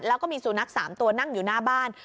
แล้วก็มีสุนัข๓ตัวนั่งอยู่หน้าบ้าน